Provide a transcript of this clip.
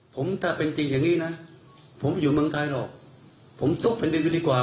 ผมถ้าเป็นจริงอย่างนี้นะผมไม่อยู่เมืองไทยหรอกผมซบเป็นเดือนดีกว่า